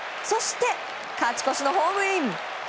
そして、勝ち越しのホームイン。